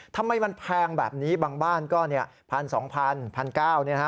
ทำไมมันแพงแบบนี้บางบ้านก็๑๐๐๐บาท๒๐๐๐บาท๑๙๐๐บาท